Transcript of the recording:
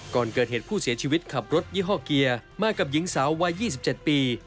ก่อนเกิดเหตุผู้เสียชีวิตขับรถยี่ห้อเกียร์มากับหญิงสาววัย๒๗ปี